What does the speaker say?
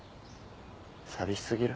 寂し過ぎる。